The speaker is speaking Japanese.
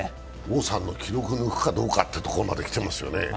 王さんの記録を抜くかどうかというところまできてますよね。